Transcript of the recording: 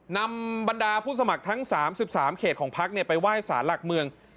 นำบรรดาผู้สมัครทั้ง๓๓เขตของพักไปไหว้สารหลักเมือง